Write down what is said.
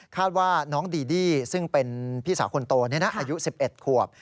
ว่าน้องดีดี้ซึ่งเป็นพี่สาวคนโตอายุ๑๑ขวบ